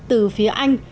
từ phía anh